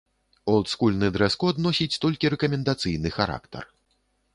Олдскульны дрэс-код носіць толькі рэкамендацыйны характар.